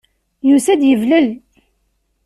Yusa-d yeblel.